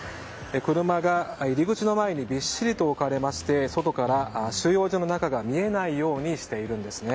車が入口の前にびっしりと置かれまして外から収容所の中が見えないようにしているんですね。